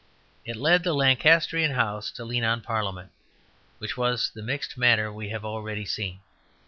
It led the Lancastrian House to lean on Parliament, which was the mixed matter we have already seen.